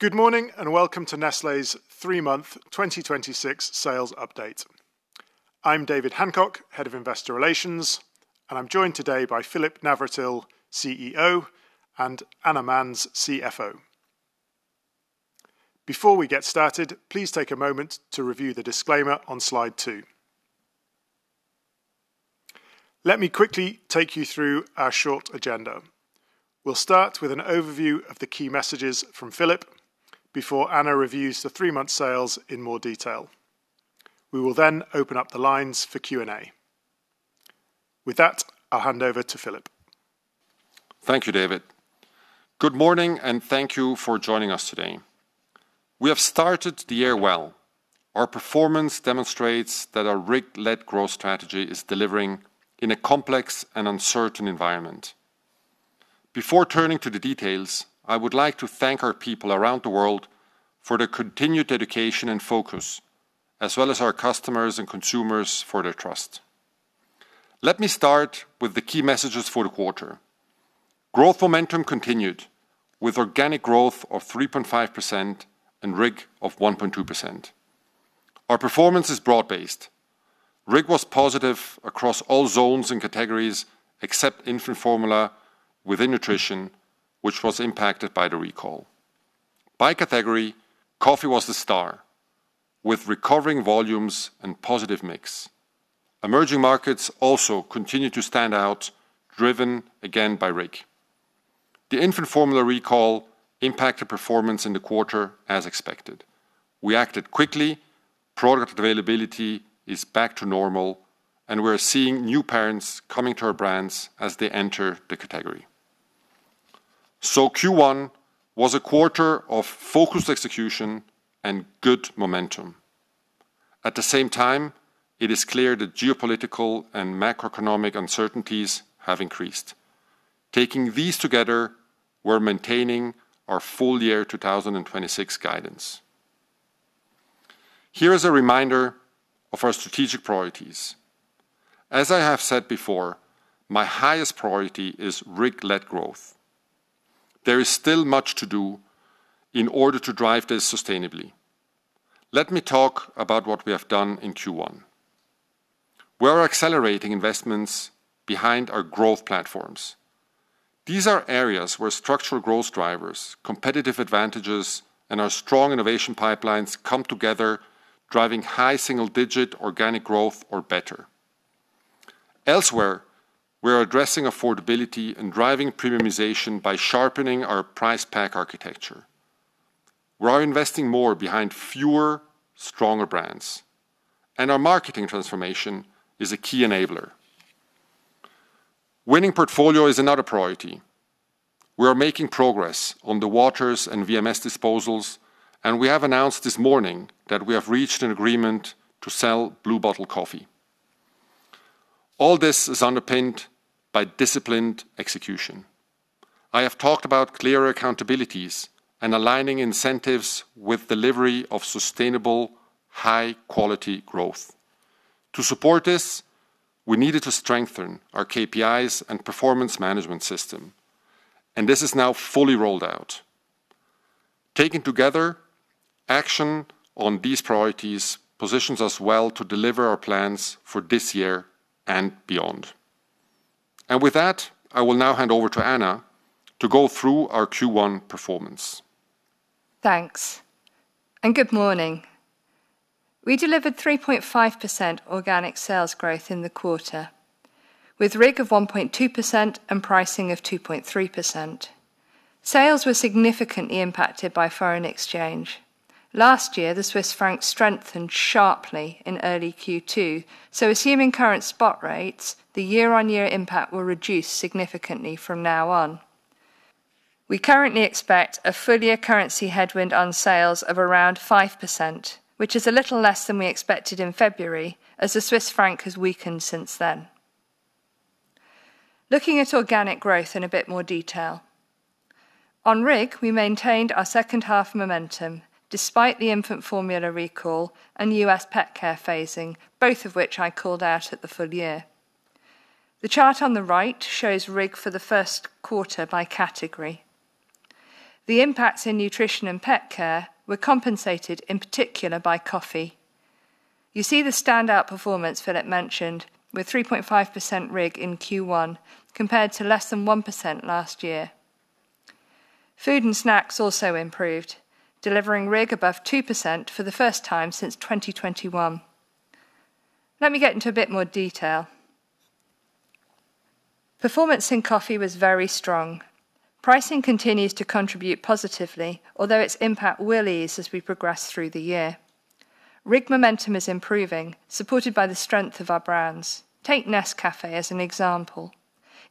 Good morning and welcome to Nestlé's three-month 2026 sales update. I'm David Hancock, Head of Investor Relations, and I'm joined today by Philipp Navratil, CEO, and Anna Manz, CFO. Before we get started, please take a moment to review the disclaimer on slide two. Let me quickly take you through our short agenda. We'll start with an overview of the key messages from Philipp before Anna reviews the three-month sales in more detail. We will then open up the lines for Q&A. With that, I'll hand over to Philipp. Thank you, David. Good morning and thank you for joining us today. We have started the year well. Our performance demonstrates that our RIG-led growth strategy is delivering in a complex and uncertain environment. Before turning to the details, I would like to thank our people around the world for their continued dedication and focus, as well as our customers and consumers for their trust. Let me start with the key messages for the quarter. Growth momentum continued with organic growth of 3.5% and RIG of 1.2%. Our performance is broad-based. RIG was positive across all zones and categories, except infant formula within Nutrition, which was impacted by the recall. By category, Coffee was the star, with recovering volumes and positive mix. Emerging markets also continued to stand out, driven again by RIG. The infant formula recall impacted performance in the quarter as expected. We acted quickly, product availability is back to normal, and we're seeing new parents coming to our brands as they enter the category. Q1 was a quarter of focused execution and good momentum. At the same time, it is clear that geopolitical and macroeconomic uncertainties have increased. Taking these together, we're maintaining our full year 2026 guidance. Here is a reminder of our strategic priorities. As I have said before, my highest priority is RIG-led growth. There is still much to do in order to drive this sustainably. Let me talk about what we have done in Q1. We are accelerating investments behind our growth platforms. These are areas where structural growth drivers, competitive advantages, and our strong innovation pipelines come together, driving high single digit organic growth or better. Elsewhere, we are addressing affordability and driving premiumization by sharpening our price pack architecture. We are investing more behind fewer, stronger brands, and our marketing transformation is a key enabler. Winning portfolio is another priority. We are making progress on the Waters and VMS disposals, and we have announced this morning that we have reached an agreement to sell Blue Bottle Coffee. All this is underpinned by disciplined execution. I have talked about clear accountabilities and aligning incentives with delivery of sustainable, high quality growth. To support this, we needed to strengthen our KPIs and performance management system, and this is now fully rolled out. Taken together, action on these priorities positions us well to deliver our plans for this year and beyond. With that, I will now hand over to Anna to go through our Q1 performance. Thanks and good morning. We delivered 3.5% organic sales growth in the quarter, with RIG of 1.2% and pricing of 2.3%. Sales were significantly impacted by foreign exchange. Last year, the Swiss franc strengthened sharply in early Q2, so assuming current spot rates, the year-on-year impact will reduce significantly from now on. We currently expect a full-year currency headwind on sales of around 5%, which is a little less than we expected in February as the Swiss franc has weakened since then. Looking at organic growth in a bit more detail. On RIG, we maintained our second half momentum despite the infant formula recall and U.S. Petcare phasing, both of which I called out at the full year. The chart on the right shows RIG for the first quarter by category. The impacts in Nutrition and Petcare were compensated, in particular by Coffee. You see the standout performance Philipp mentioned with 3.5% RIG in Q1 compared to less than 1% last year. Food & Snacks also improved, delivering RIG above 2% for the first time since 2021. Let me get into a bit more detail. Performance in Coffee was very strong. Pricing continues to contribute positively, although its impact will ease as we progress through the year. RIG momentum is improving, supported by the strength of our brands. Take NESCAFÉ as an example.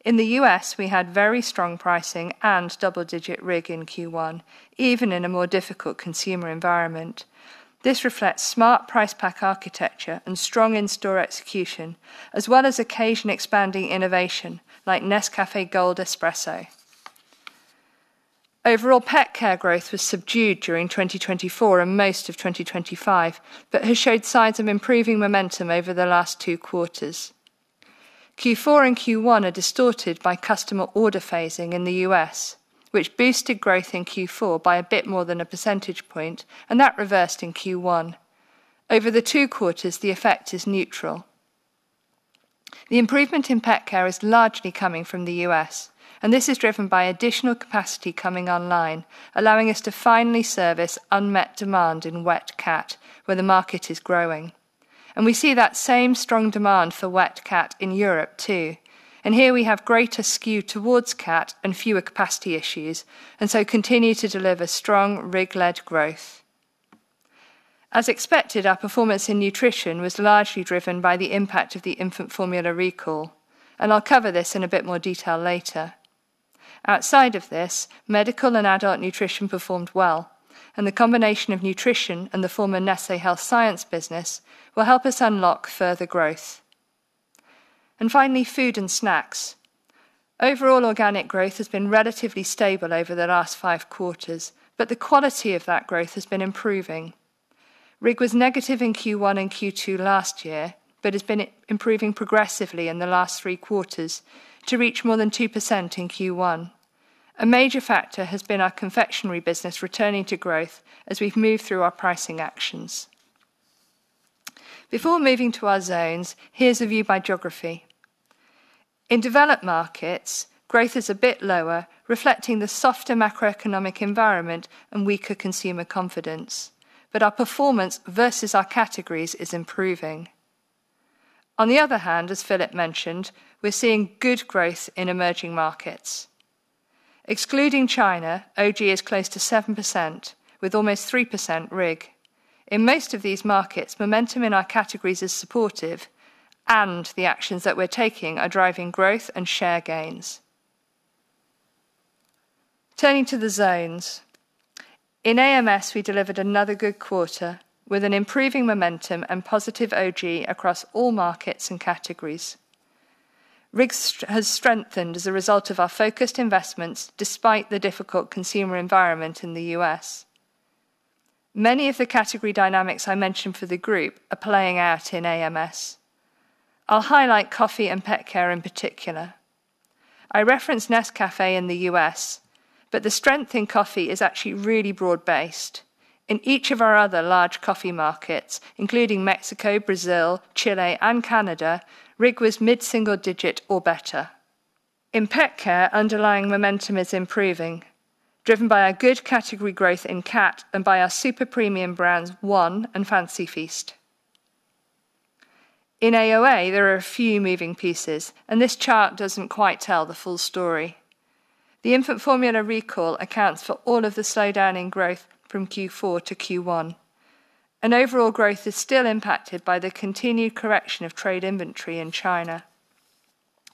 In the U.S., we had very strong pricing and double digit RIG in Q1, even in a more difficult consumer environment. This reflects smart price pack architecture and strong in-store execution, as well as occasion expanding innovation like NESCAFÉ Gold Espresso. Overall, Petcare growth was subdued during 2024 and most of 2025, but has showed signs of improving momentum over the last two quarters. Q4 and Q1 are distorted by customer order phasing in the U.S., which boosted growth in Q4 by a bit more than a percentage point, and that reversed in Q1. Over the two quarters, the effect is neutral. The improvement in Petcare is largely coming from the U.S., and this is driven by additional capacity coming online, allowing us to finally service unmet demand in wet cat, where the market is growing. We see that same strong demand for wet cat in Europe too. Here we have greater skew towards cat and fewer capacity issues, and so continue to deliver strong RIG-led growth. As expected, our performance in Nutrition was largely driven by the impact of the infant formula recall, and I'll cover this in a bit more detail later. Outside of this, medical and adult nutrition performed well, and the combination of Nutrition and the former Nestlé Health Science business will help us unlock further growth. Finally, Food & Snacks. Overall organic growth has been relatively stable over the last five quarters, but the quality of that growth has been improving. RIG was negative in Q1 and Q2 last year, but has been improving progressively in the last three quarters to reach more than 2% in Q1. A major factor has been our confectionery business returning to growth as we've moved through our pricing actions. Before moving to our zones, here's a view by geography. In developed markets, growth is a bit lower, reflecting the softer macroeconomic environment and weaker consumer confidence, but our performance versus our categories is improving. On the other hand, as Philipp mentioned, we're seeing good growth in emerging markets. Excluding China, OG is close to 7% with almost 3% RIG. In most of these markets, momentum in our categories is supportive and the actions that we're taking are driving growth and share gains. Turning to the zones. In AMS, we delivered another good quarter with an improving momentum and positive OG across all markets and categories. RIG has strengthened as a result of our focused investments despite the difficult consumer environment in the U.S. Many of the category dynamics I mentioned for the group are playing out in AMS. I'll highlight Coffee and Petcare in particular. I referenced NESCAFÉ in the U.S., but the strength in Coffee is actually really broad-based. In each of our other large coffee markets, including Mexico, Brazil, Chile, and Canada, RIG was mid-single-digit or better. In Petcare, underlying momentum is improving, driven by a good category growth in cat and by our super premium brands, ONE and Fancy Feast. In AOA, there are a few moving pieces, and this chart doesn't quite tell the full story. The infant formula recall accounts for all of the slowdown in growth from Q4 to Q1. Overall growth is still impacted by the continued correction of trade inventory in China.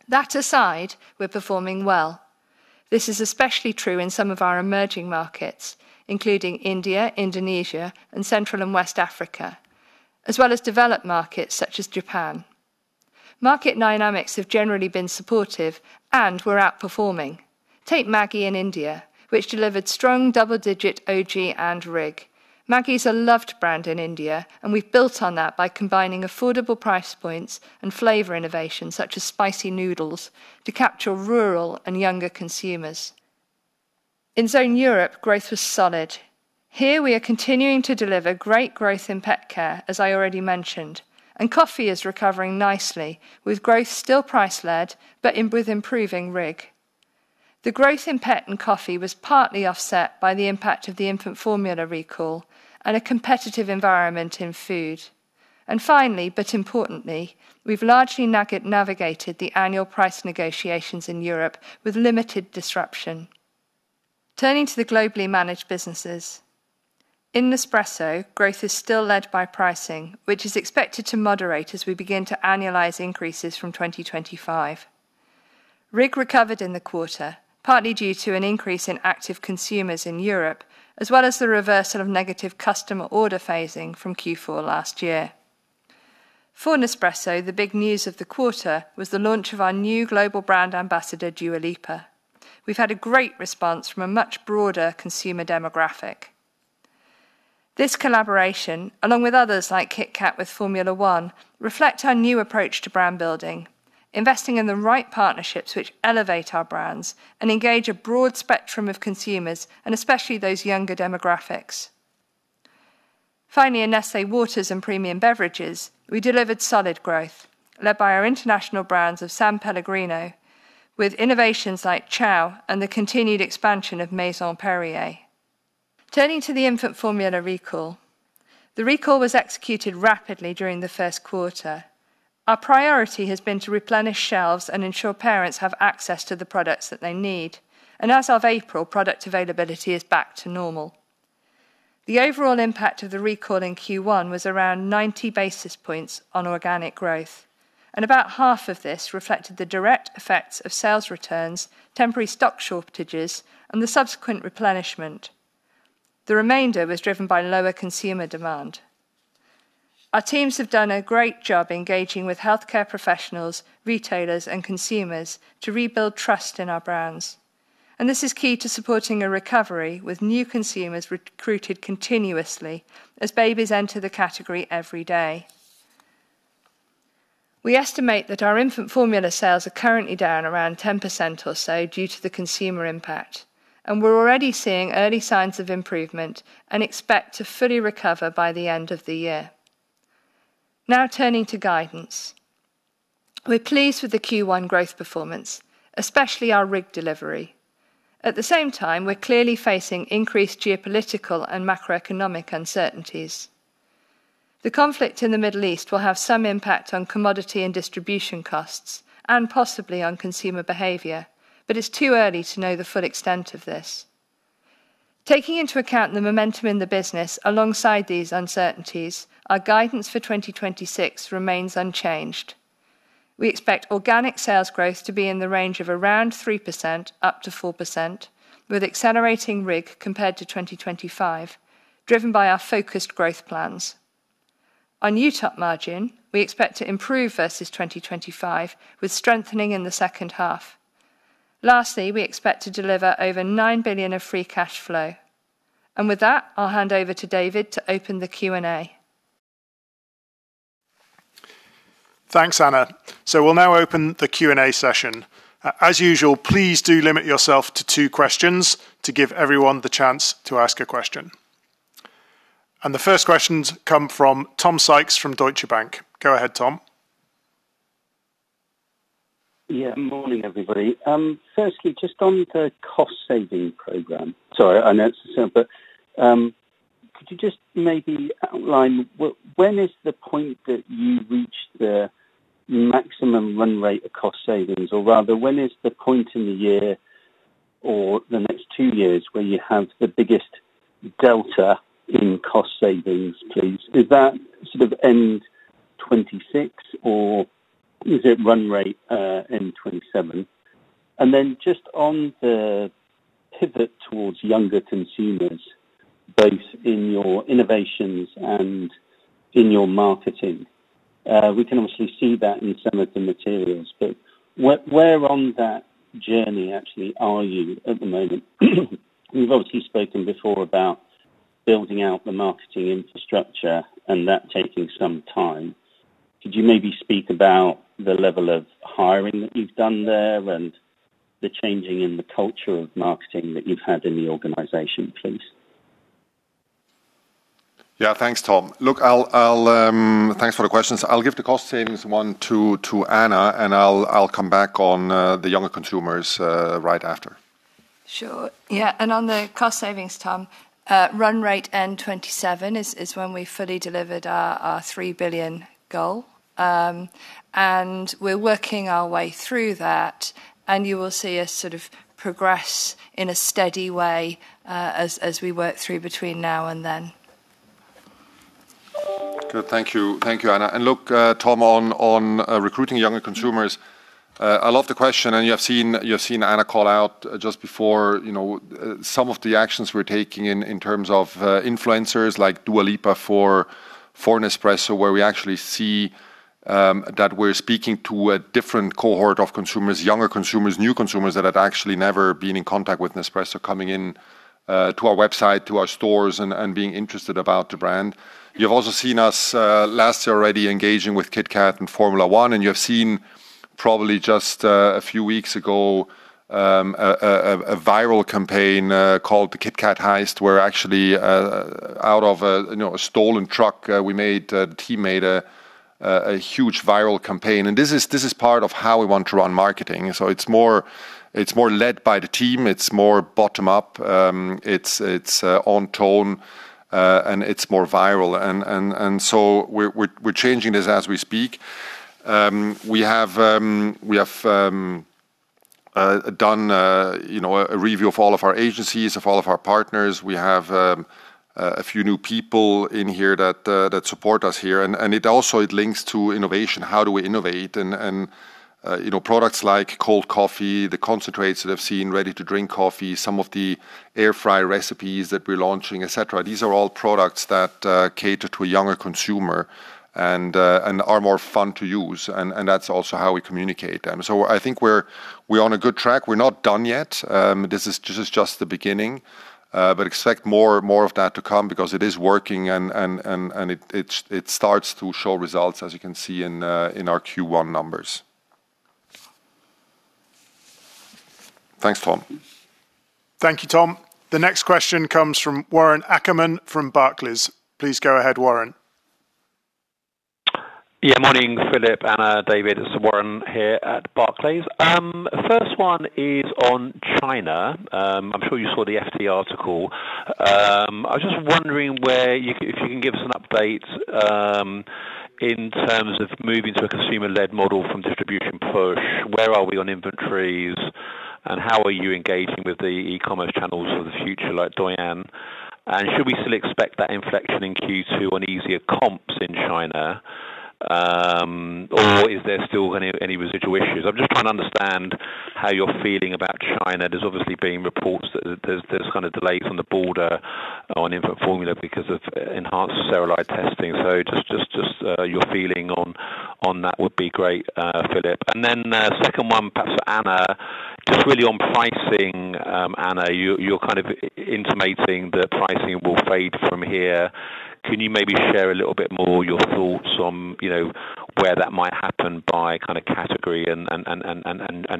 That aside, we're performing well. This is especially true in some of our emerging markets, including India, Indonesia, and Central and West Africa, as well as developed markets such as Japan. Market dynamics have generally been supportive and we're outperforming. Take Maggi in India, which delivered strong double-digit OG and RIG. Maggi's a loved brand in India, and we've built on that by combining affordable price points and flavor innovation such as spicy noodles to capture rural and younger consumers. In Zone Europe, growth was solid. Here we are continuing to deliver great growth in Petcare, as I already mentioned. Coffee is recovering nicely with growth still price led, but with improving RIG. The growth in Petcare and Coffee was partly offset by the impact of the infant formula recall and a competitive environment in food. Finally, but importantly, we've largely navigated the annual price negotiations in Europe with limited disruption. Turning to the globally managed businesses. In Nespresso, growth is still led by pricing, which is expected to moderate as we begin to annualize increases from 2025. RIG recovered in the quarter, partly due to an increase in active consumers in Europe, as well as the reversal of negative customer order phasing from Q4 last year. For Nespresso, the big news of the quarter was the launch of our new global brand ambassador, Dua Lipa. We've had a great response from a much broader consumer demographic. This collaboration, along with others like KitKat with Formula 1, reflect our new approach to brand building, investing in the right partnerships which elevate our brands and engage a broad spectrum of consumers, and especially those younger demographics. Finally, in Nestlé Waters and Premium Beverages, we delivered solid growth led by our international brands of Sanpellegrino with innovations like CIAO! and the continued expansion of Maison Perrier. Turning to the infant formula recall. The recall was executed rapidly during the first quarter. Our priority has been to replenish shelves and ensure parents have access to the products that they need. As of April, product availability is back to normal. The overall impact of the recall in Q1 was around 90 basis points on organic growth, and about half of this reflected the direct effects of sales returns, temporary stock shortages, and the subsequent replenishment. The remainder was driven by lower consumer demand. Our teams have done a great job engaging with healthcare professionals, retailers, and consumers to rebuild trust in our brands. This is key to supporting a recovery with new consumers recruited continuously as babies enter the category every day. We estimate that our infant formula sales are currently down around 10% or so due to the consumer impact, and we're already seeing early signs of improvement and expect to fully recover by the end of the year. Now turning to guidance. We're pleased with the Q1 growth performance, especially our RIG delivery. At the same time, we're clearly facing increased geopolitical and macroeconomic uncertainties. The conflict in the Middle East will have some impact on commodity and distribution costs and possibly on consumer behavior, but it's too early to know the full extent of this. Taking into account the momentum in the business alongside these uncertainties, our guidance for 2026 remains unchanged. We expect organic sales growth to be in the range of around 3%-4% with accelerating RIG compared to 2025, driven by our focused growth plans. On UTOP margin, we expect to improve versus 2025 with strengthening in the second half. Lastly, we expect to deliver over 9 billion of free cash flow. With that, I'll hand over to David to open the Q&A. Thanks, Anna. We'll now open the Q&A session. As usual, please do limit yourself to two questions to give everyone the chance to ask a question. The first questions come from Tom Sykes from Deutsche Bank. Go ahead, Tom. Yeah. Morning, everybody. Firstly, just on the cost-saving program. Sorry, I know it's simple. Could you just maybe outline when is the point that you reach the maximum run rate of cost savings? Or rather, when is the point in the year or the next two years where you have the biggest delta in cost savings, please? Is that sort of end 2026 or is it run rate, end 2027? Just on the pivot towards younger consumers, both in your innovations and in your marketing. We can obviously see that in some of the materials, but where on that journey actually are you at the moment? You've obviously spoken before about building out the marketing infrastructure and that taking some time. Could you maybe speak about the level of hiring that you've done there and the changing in the culture of marketing that you've had in the organization, please? Yeah. Thanks, Tom. Look, thanks for the questions. I'll give the cost savings one to Anna, and I'll come back on the younger consumers right after. Sure. Yeah. On the cost savings, Tom, run rate in 2027 is when we fully delivered our 3 billion goal. We're working our way through that, and you will see us sort of progress in a steady way as we work through between now and then. Good. Thank you, Anna. Look, Tom, on recruiting younger consumers, I love the question, and you have seen Anna call out just before some of the actions we're taking in terms of influencers like Dua Lipa for Nespresso, where we actually see that we're speaking to a different cohort of consumers, younger consumers, new consumers that have actually never been in contact with Nespresso, coming in to our website, to our stores, and being interested about the brand. You've also seen us last year already engaging with KitKat and Formula 1, and you have seen probably just a few weeks ago, a viral campaign called the KitKat Heist, where actually out of a stolen truck, the team made a huge viral campaign. This is part of how we want to run marketing. It's more led by the team. It's more bottom-up. It's on tone. It's more viral. We're changing this as we speak. We have done a review of all of our agencies, of all of our partners. We have a few new people in here that support us here. It also links to innovation. How do we innovate? Products like cold coffee, the concentrates that I've seen, ready-to-drink coffee, some of the airfryer recipes that we're launching, et cetera. These are all products that cater to a younger consumer and are more fun to use. That's also how we communicate. I think we're on a good track. We're not done yet. This is just the beginning. Expect more of that to come because it is working and it starts to show results, as you can see in our Q1 numbers. Thanks, Tom. Thank you, Tom. The next question comes from Warren Ackerman from Barclays. Please go ahead, Warren. Yeah, morning, Philipp, Anna, David. It's Warren here at Barclays. First one is on China. I'm sure you saw the "FT" article. I was just wondering if you can give us an update in terms of moving to a consumer-led model from distribution push. Where are we on inventories, and how are you engaging with the e-commerce channels for the future, like Douyin? And should we still expect that inflection in Q2 on easier comps in China? Or is there still any residual issues? I'm just trying to understand how you're feeling about China. There's obviously been reports that there's kind of delays on the border on infant formula because of enhanced sterility testing. So just your feeling on that would be great, Philipp. Then second one, perhaps for Anna, just really on pricing. Anna, you're kind of intimating that pricing will fade from here. Can you maybe share a little bit more your thoughts on where that might happen by category and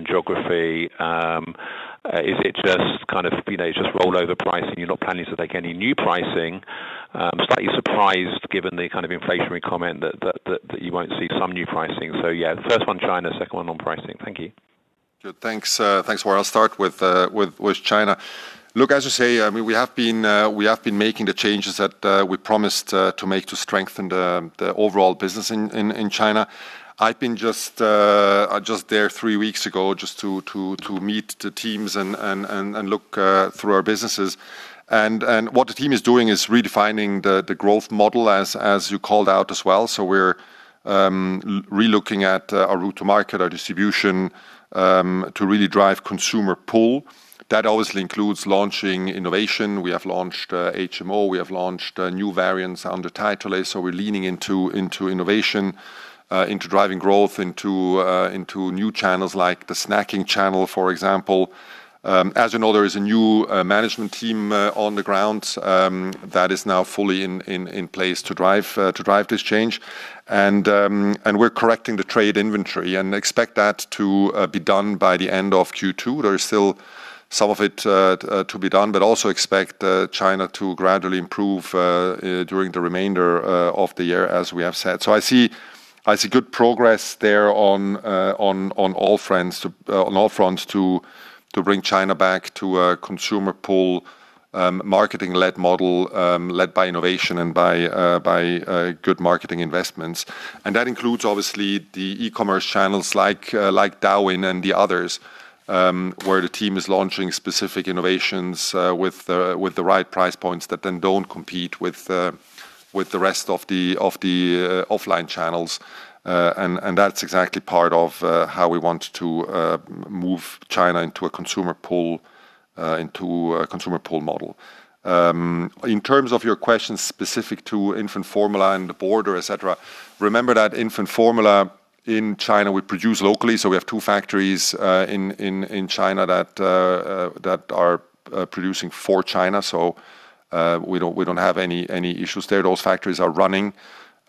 geography? Is it just rollover pricing? You're not planning to take any new pricing. I'm slightly surprised, given the kind of inflationary comment that you won't see some new pricing. Yeah. The first one, China. Second one on pricing. Thank you. Good. Thanks, Warren. I'll start with China. Look, as you say, we have been making the changes that we promised to make to strengthen the overall business in China. I've been just there three weeks ago just to meet the teams and look through our businesses. What the team is doing is redefining the growth model, as you called out as well. We're re-looking at our route to market, our distribution, to really drive consumer pull. That obviously includes launching innovation. We have launched HMO. We have launched new variants under Illuma. We're leaning into innovation, into driving growth, into new channels like the snacking channel, for example. As you know, there is a new management team on the ground that is now fully in place to drive this change. We're correcting the trade inventory and expect that to be done by the end of Q2. There is still some of it to be done, but also expect China to gradually improve during the remainder of the year, as we have said. I see good progress there on all fronts to bring China back to a consumer pull marketing-led model, led by innovation and by good marketing investments. That includes, obviously, the e-commerce channels like Douyin and the others, where the team is launching specific innovations with the right price points that then don't compete with the rest of the offline channels. That's exactly part of how we want to move China into a consumer pull model. In terms of your question specific to infant formula and the border, et cetera, remember that infant formula in China, we produce locally. We have two factories in China that are producing for China. We don't have any issues there. Those factories are running,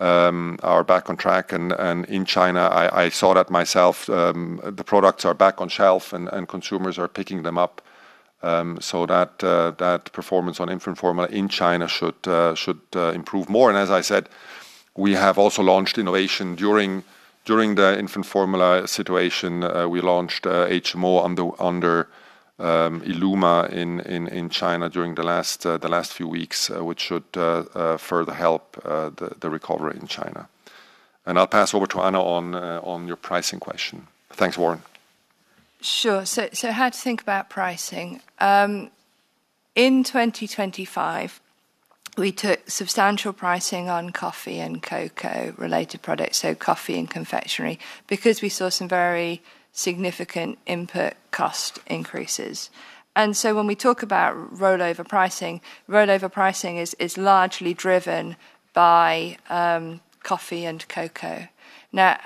are back on track. In China, I saw that myself. The products are back on shelf and consumers are picking them up. That performance on infant formula in China should improve more. As I said, we have also launched innovation during the infant formula situation. We launched HMO under Illuma in China during the last few weeks, which should further help the recovery in China. I'll pass over to Anna on your pricing question. Thanks, Warren. Sure. How to think about pricing. In 2025, we took substantial pricing on coffee and cocoa-related products, so coffee and confectionery, because we saw some very significant input cost increases. When we talk about rollover pricing, rollover pricing is largely driven by coffee and cocoa. Now,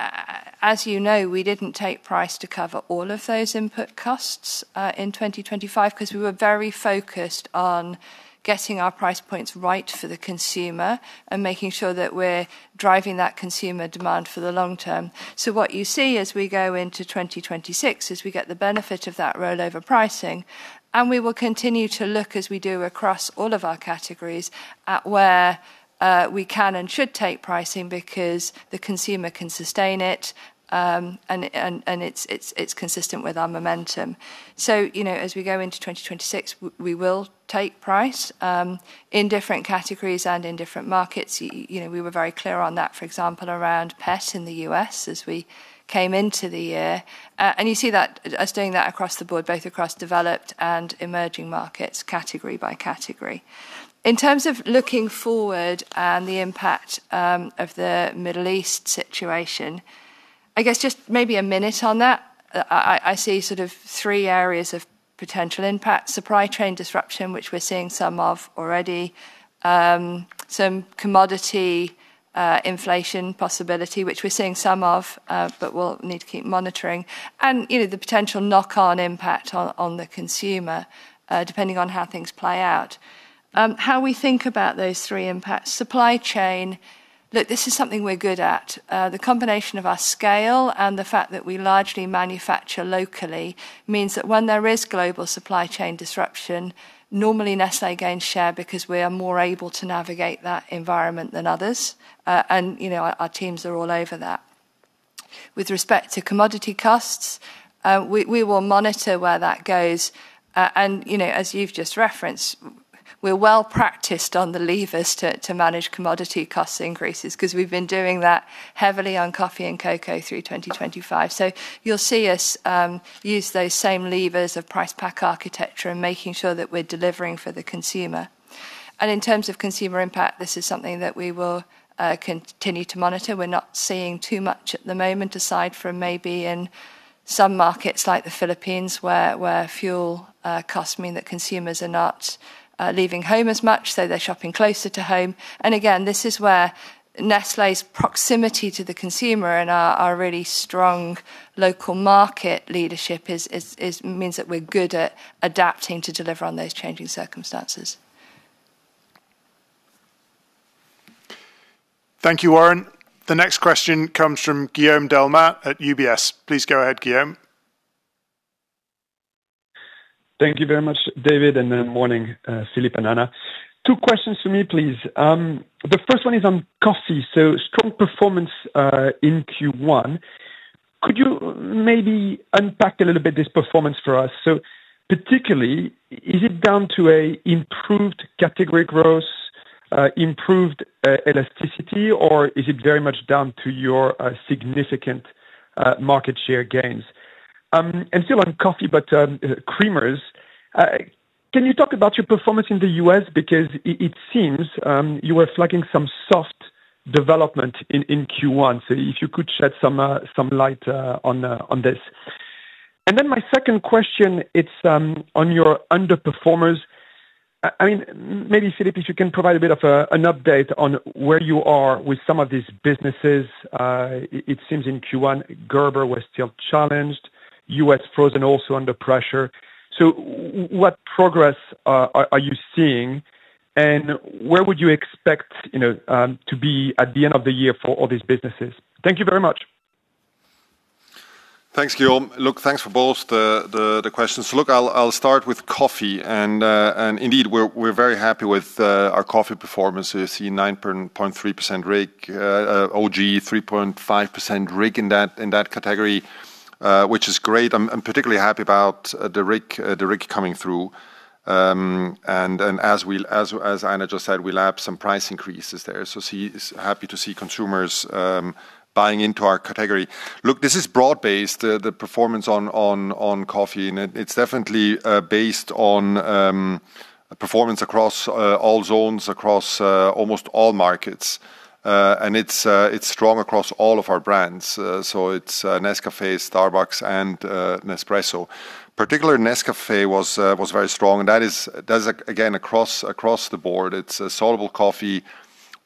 as you know, we didn't take price to cover all of those input costs in 2025 because we were very focused on getting our price points right for the consumer and making sure that we're driving that consumer demand for the long term. What you see as we go into 2026 is we get the benefit of that rollover pricing, and we will continue to look as we do across all of our categories at where we can and should take pricing because the consumer can sustain it, and it's consistent with our momentum. As we go into 2026, we will take price in different categories and in different markets. We were very clear on that, for example, around pet in the U.S. as we came into the year. You see us doing that across the board, both across developed and emerging markets, category by category. In terms of looking forward and the impact of the Middle East situation, I guess just maybe a minute on that. I see sort of three areas of potential impact. Supply chain disruption, which we're seeing some of already. Some commodity inflation possibility, which we're seeing some of, but we'll need to keep monitoring. The potential knock-on impact on the consumer, depending on how things play out. How we think about those three impacts. Supply chain. Look, this is something we're good at. The combination of our scale and the fact that we largely manufacture locally means that when there is global supply chain disruption, normally Nestlé gains share because we are more able to navigate that environment than others. Our teams are all over that. With respect to commodity costs, we will monitor where that goes. As you've just referenced, we're well-practiced on the levers to manage commodity cost increases because we've been doing that heavily on coffee and cocoa through 2025. You'll see us use those same levers of price pack architecture and making sure that we're delivering for the consumer. In terms of consumer impact, this is something that we will continue to monitor. We're not seeing too much at the moment, aside from maybe in some markets like the Philippines, where fuel costs mean that consumers are not leaving home as much, so they're shopping closer to home. Again, this is where Nestlé's proximity to the consumer and our really strong local market leadership means that we're good at adapting to deliver on those changing circumstances. Thank you, Warren. The next question comes from Guillaume Delmas at UBS. Please go ahead, Guillaume. Thank you very much, David, and good morning, Philipp and Anna. Two questions from me, please. The first one is on Coffee. Strong performance in Q1. Could you maybe unpack a little bit this performance for us? Particularly, is it down to improved category growth, improved elasticity, or is it very much down to your significant market share gains? Still on Coffee, but creamers. Can you talk about your performance in the U.S.? Because it seems you were flagging some soft development in Q1. If you could shed some light on this. Then my second question, it's on your underperformers. Maybe Philipp, if you can provide a bit of an update on where you are with some of these businesses. It seems in Q1, Gerber was still challenged, U.S. frozen also under pressure. What progress are you seeing and where would you expect to be at the end of the year for all these businesses? Thank you very much. Thanks, Guillaume. Look, thanks for both the questions. Look, I'll start with Coffee, and indeed, we're very happy with our Coffee performance. We've seen 9.3% RIG, OG 3.5% RIG in that category, which is great. I'm particularly happy about the RIG coming through. As Anna just said, we lapped some price increases there. Happy to see consumers buying into our category. Look, this is broad-based, the performance on Coffee, and it's definitely based on performance across all zones, across almost all markets. It's strong across all of our brands. It'sNESCAFÉ, Starbucks, and Nespresso. In particular, NESCAFÉ was very strong, and that is again, across the board. It's soluble coffee,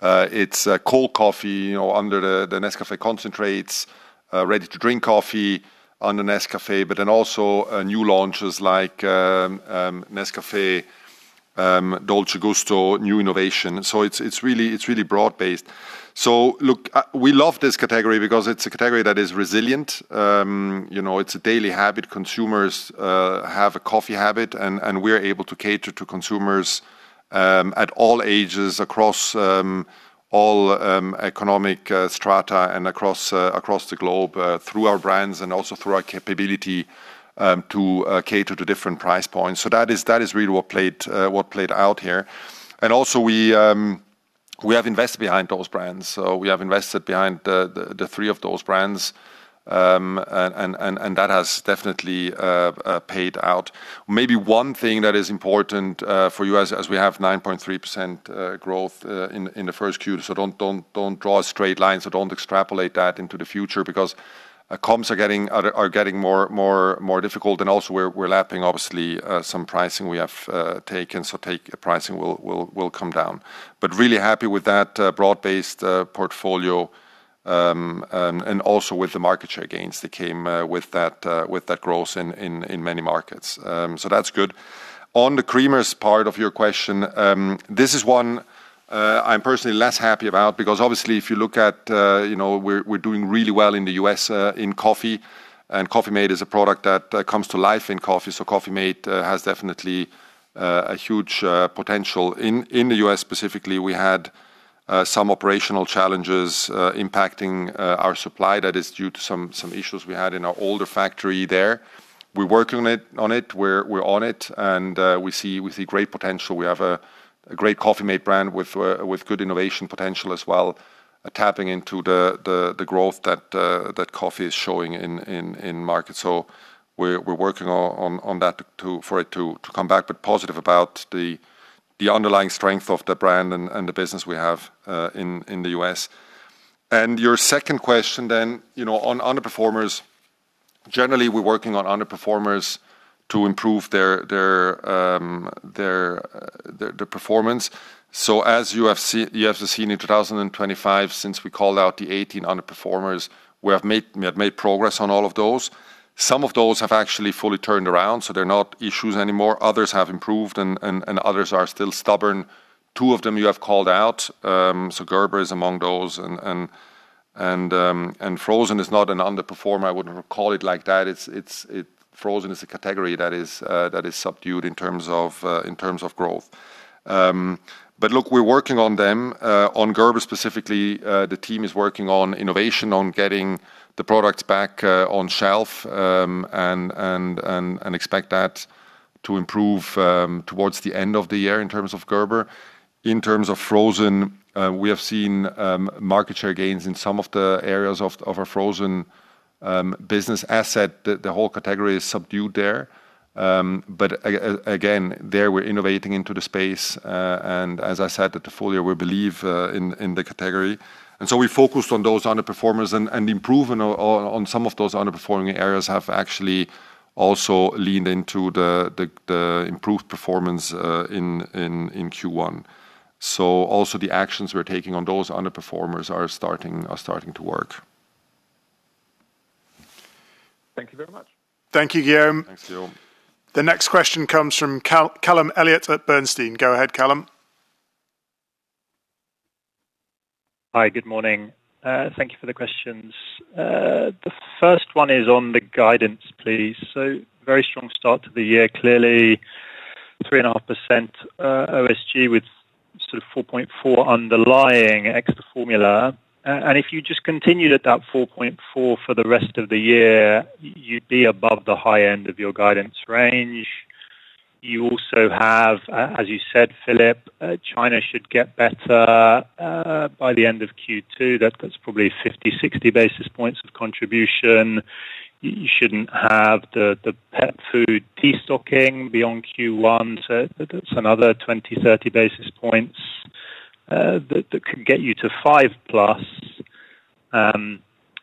it's cold coffee under the NESCAFÉ concentrates, ready-to-drink coffee on the NESCAFÉ, but then also new launches like NESCAFÉ Dolce Gusto new innovation. It's really broad-based. Look, we love this category because it's a category that is resilient. It's a daily habit. Consumers have a coffee habit, and we are able to cater to consumers at all ages, across all economic strata, and across the globe through our brands and also through our capability to cater to different price points. That is really what played out here. We have invested behind those brands. We have invested behind the three of those brands, and that has definitely paid out. Maybe one thing that is important for you as we have 9.3% growth in the first Q, so don't draw a straight line, so don't extrapolate that into the future because comps are getting more difficult. We're lapping obviously, some pricing we have taken, so pricing will come down. Really happy with that broad-based portfolio, and also with the market share gains that came with that growth in many markets. That's good. On the creamers part of your question, this is one I'm personally less happy about because obviously if you look at, we're doing really well in the U.S. in Coffee, and COFFEE-MATE is a product that comes to life in coffee. COFFEE-MATE has definitely a huge potential. In the U.S. specifically, we had some operational challenges impacting our supply. That is due to some issues we had in our older factory there. We're working on it. We're on it, and we see great potential. We have a great COFFEE-MATE brand with good innovation potential as well, tapping into the growth that Coffee is showing in market. We're working on that for it to come back, but positive about the underlying strength of the brand and the business we have in the U.S. Your second question, on underperformers, generally, we're working on underperformers to improve their performance. As you have seen in 2025, since we called out the 18 underperformers, we have made progress on all of those. Some of those have actually fully turned around, so they're not issues anymore. Others have improved and others are still stubborn. Two of them you have called out, so Gerber is among those, and frozen is not an underperformer, I wouldn't call it like that. Frozen is a category that is subdued in terms of growth. Look, we're working on them. On Gerber specifically, the team is working on innovation, on getting the products back on shelf, and expect that to improve towards the end of the year in terms of Gerber. In terms of frozen, we have seen market share gains in some of the areas of our frozen business asset. The whole category is subdued there. Again, there we're innovating into the space. As I said, in the portfolio, we believe in the category. We focused on those underperformers, and improving on some of those underperforming areas have actually also leaned into the improved performance in Q1. Also the actions we're taking on those underperformers are starting to work. Thank you very much. Thank you, Guillaume. Thanks, Guillaume. The next question comes from Callum Elliott at Bernstein. Go ahead, Callum. Hi. Good morning. Thank you for the questions. The first one is on the guidance, please. Very strong start to the year, clearly 3.5% OG with sort of 4.4% underlying ex the formula. If you just continued at that 4.4% for the rest of the year, you'd be above the high end of your guidance range. You also have, as you said, Philipp, China should get better by the end of Q2. That's probably 50-60 basis points of contribution. You shouldn't have the pet food destocking beyond Q1, so that's another 20-30 basis points that could get you to 5%+.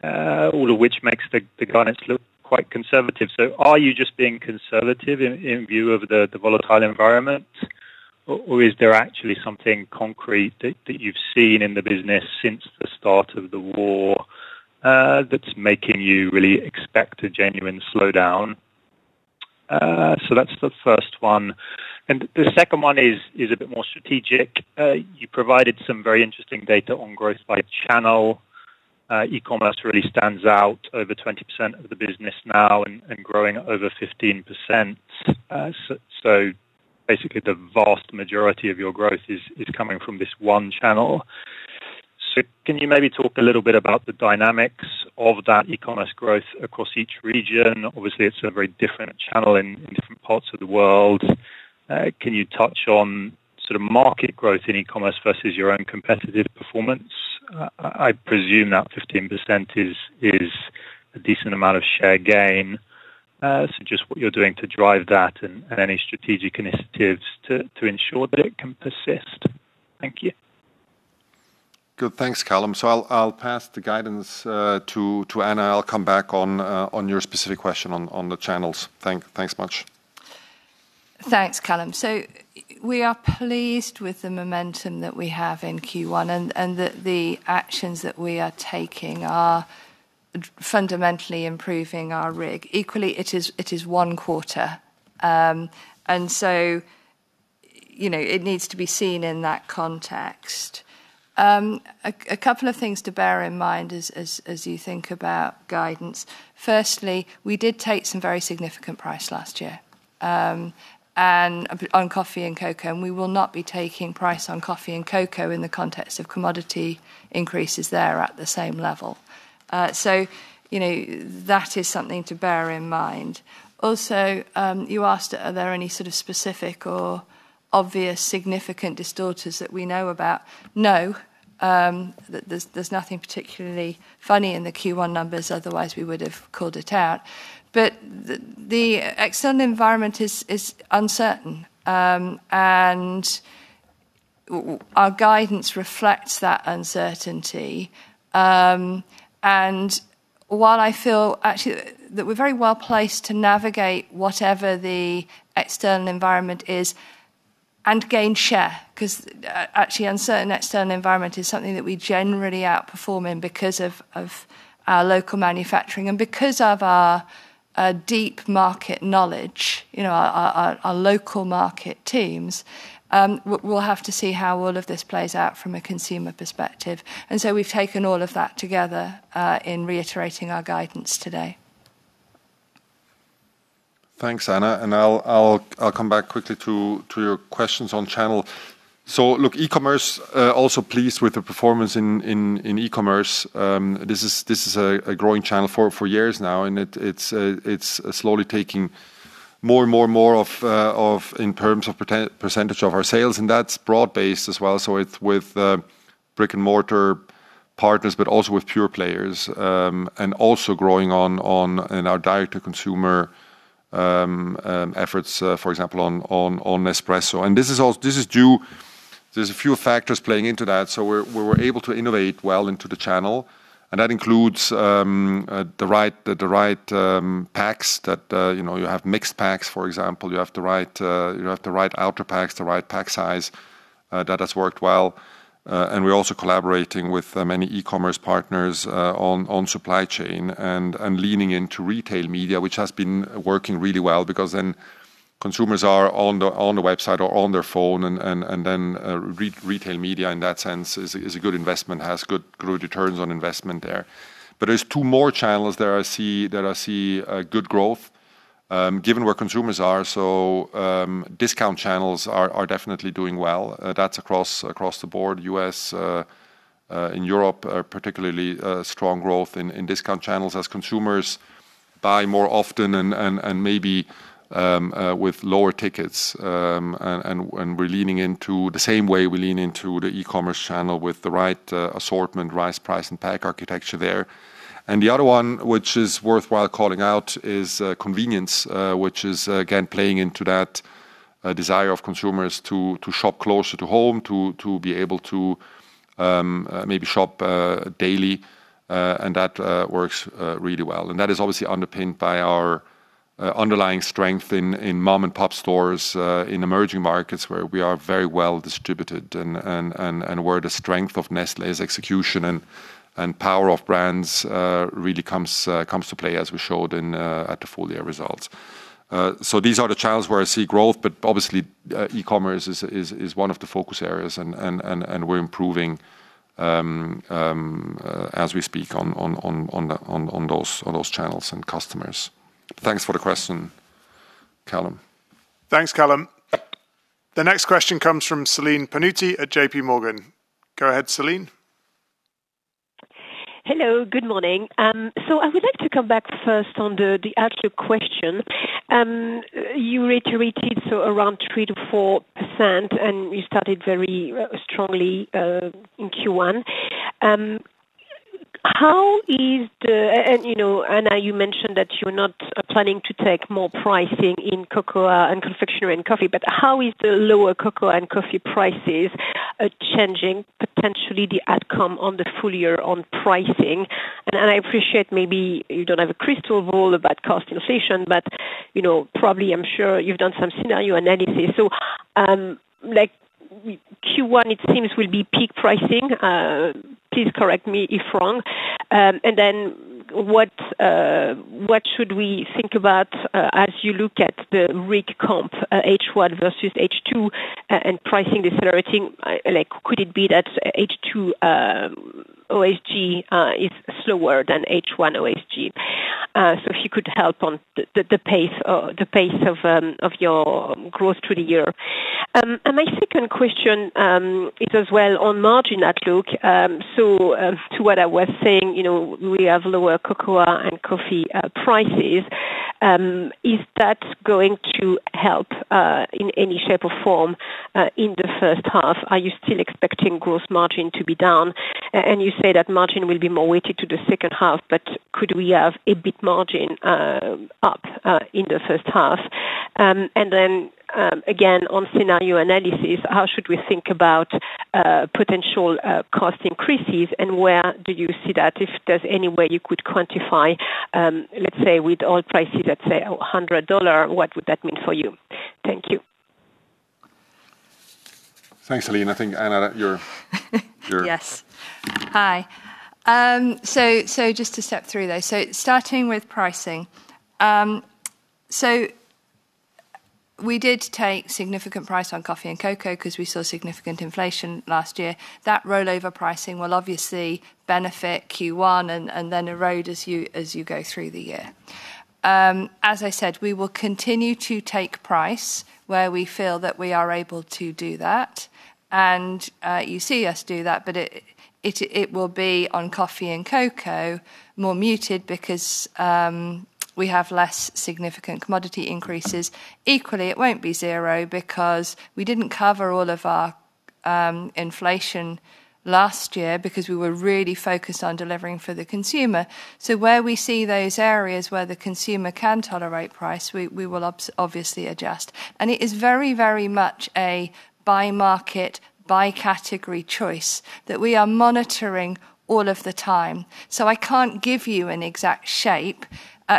All of which makes the guidance look quite conservative. Are you just being conservative in view of the volatile environment? Is there actually something concrete that you've seen in the business since the start of the war that's making you really expect a genuine slowdown? That's the first one, and the second one is a bit more strategic. You provided some very interesting data on growth by channel. E-commerce really stands out, over 20% of the business now and growing at over 15%. Basically, the vast majority of your growth is coming from this one channel. Can you maybe talk a little bit about the dynamics of that e-commerce growth across each region? Obviously, it's a very different channel in different parts of the world. Can you touch on sort of market growth in e-commerce versus your own competitive performance? I presume that 15% is a decent amount of share gain. Just what you're doing to drive that and any strategic initiatives to ensure that it can persist? Thank you. Good. Thanks, Callum. I'll pass the guidance to Anna. I'll come back on your specific question on the channels. Thanks much. Thanks, Callum. We are pleased with the momentum that we have in Q1 and that the actions that we are taking are fundamentally improving our RIG. Equally, it is one quarter. It needs to be seen in that context. A couple of things to bear in mind as you think about guidance. Firstly, we did take some very significant price last year on coffee and cocoa, and we will not be taking price on coffee and cocoa in the context of commodity increases there at the same level. That is something to bear in mind. Also, you asked, are there any sort of specific or obvious significant distorters that we know about? No, there's nothing particularly funny in the Q1 numbers, otherwise we would have called it out. The external environment is uncertain. Our guidance reflects that uncertainty. While I feel, actually, that we're very well placed to navigate whatever the external environment is and gain share, because actually an uncertain external environment is something that we generally outperform in because of our local manufacturing and because of our deep market knowledge, our local market teams. We'll have to see how all of this plays out from a consumer perspective. We've taken all of that together in reiterating our guidance today. Thanks, Anna, and I'll come back quickly to your questions on channel. Look, also pleased with the performance in e-commerce. This is a growing channel for years now, it's slowly taking more and more and more in terms of percentage of our sales, that's broad-based as well. It's with brick-and-mortar partners, but also with pure players, and also growing on in our direct-to-consumer efforts, for example, on Nespresso. There's a few factors playing into that. We're able to innovate well into the channel, and that includes the right packs that you have mixed packs, for example. You have the right outer packs, the right pack size. That has worked well. We're also collaborating with many e-commerce partners on supply chain and leaning into retail media, which has been working really well because then consumers are on the website or on their phone and then retail media in that sense is a good investment, has good returns on investment there. There's two more channels that I see good growth given where consumers are. Discount channels are definitely doing well. That's across the board, U.S., in Europe, particularly strong growth in discount channels as consumers buy more often and maybe with lower tickets. We're leaning into the same way we lean into the e-commerce channel with the right assortment, right price, and pack architecture there. The other one which is worthwhile calling out is convenience, which is again playing into that a desire of consumers to shop closer to home, to be able to maybe shop daily, and that works really well. That is obviously underpinned by our underlying strength in mom-and-pop stores, in emerging markets, where we are very well distributed and where the strength of Nestlé is execution and power of brands really comes to play, as we showed at the full year results. These are the channels where I see growth, but obviously, e-commerce is one of the focus areas and we're improving, as we speak, on those channels and customers. Thanks for the question, Callum. Thanks, Callum. The next question comes from Celine Pannuti at JPMorgan. Go ahead, Celine. Hello, good morning. I would like to come back first on the outlook question. You reiterated, so around 3%-4% and you started very strongly in Q1. You mentioned that you're not planning to take more pricing in cocoa and confectionery and coffee, but how is the lower cocoa and coffee prices changing potentially the outcome on the full year on pricing? I appreciate maybe you don't have a crystal ball about cost inflation, but probably, I'm sure you've done some scenario analysis. Q1 it seems will be peak pricing. Please correct me if wrong. Then what should we think about as you look at the RIG comp, H1 versus H2 and pricing decelerating, could it be that H2 OG is slower than H1 OG? If you could help on the pace of your growth through the year. My second question is as well on margin outlook. To what I was saying, we have lower cocoa and coffee prices. Is that going to help, in any shape or form, in the first half? Are you still expecting gross margin to be down? You say that margin will be more weighted to the second half, but could we have a bit margin up in the first half? Again, on scenario analysis, how should we think about potential cost increases and where do you see that? If there's any way you could quantify, let's say with oil prices at say $100, what would that mean for you? Thank you. Thanks, Celine. I think Anna you're... Yes. Hi. Just to step through those. Starting with pricing. We did take significant price on coffee and cocoa because we saw significant inflation last year. That rollover pricing will obviously benefit Q1 and then erode as you go through the year. As I said, we will continue to take price where we feel that we are able to do that. You see us do that, but it will be on coffee and cocoa, more muted because we have less significant commodity increases. Equally, it won't be zero because we didn't cover all of our inflation last year because we were really focused on delivering for the consumer. Where we see those areas where the consumer can tolerate price, we will obviously adjust. It is very, very much a buy market, buy category choice that we are monitoring all of the time. I can't give you an exact shape,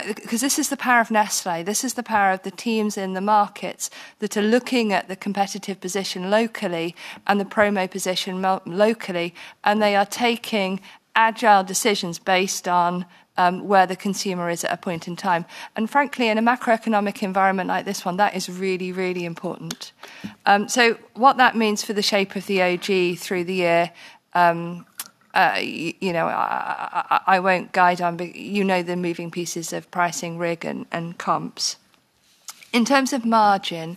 because this is the power of Nestlé. This is the power of the teams in the markets that are looking at the competitive position locally and the promo position locally, and they are taking agile decisions based on where the consumer is at a point in time. Frankly, in a macroeconomic environment like this one, that is really, really important. What that means for the shape of the OG through the year, I won't guide on, but you know the moving pieces of pricing RIG and comps. In terms of margin,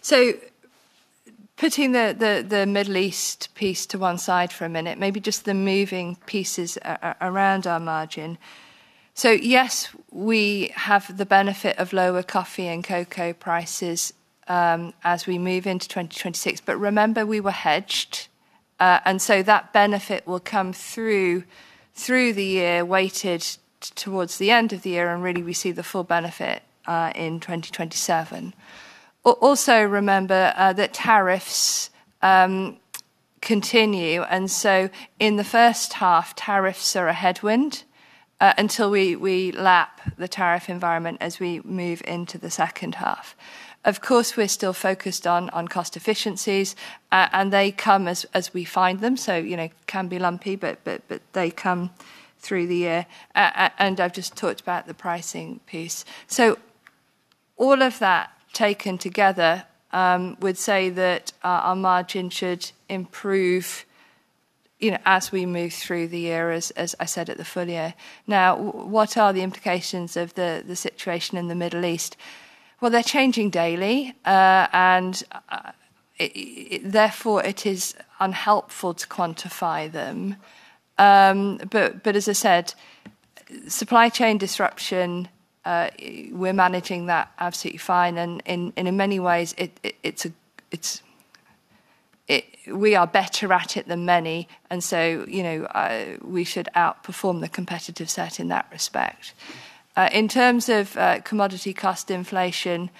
so putting the Middle East piece to one side for a minute, maybe just the moving pieces around our margin. Yes, we have the benefit of lower coffee and cocoa prices, as we move into 2026. Remember we were hedged. That benefit will come through the year, weighted towards the end of the year, and really we see the full benefit, in 2027. Also remember that tariffs continue, and so in the first half, tariffs are a headwind, until we lap the tariff environment as we move into the second half. Of course, we're still focused on cost efficiencies, and they come as we find them, so it can be lumpy, but they come through the year. I've just talked about the pricing piece. All of that taken together, would say that our margin should improve as we move through the year, as I said at the full year. Now, what are the implications of the situation in the Middle East? Well, they're changing daily, and therefore it is unhelpful to quantify them. As I said, supply chain disruption, we're managing that absolutely fine and in many ways it's... We are better at it than many, and so we should outperform the competitive set in that respect. In terms of commodity cost inflation,